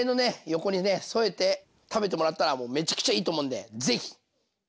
横にね添えて食べてもらったらもうめちゃくちゃいいと思うんで是非！